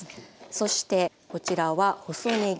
そしてこちらは細ねぎ。